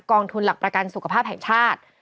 ทุนหลักประกันสุขภาพแห่งชาติ